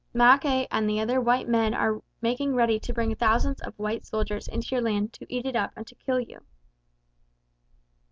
Mackay and the other white men are making ready to bring thousands of white soldiers into your land to 'eat it up' and to kill you."